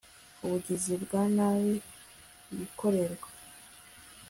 ubugizi bwa nabi bikorerwa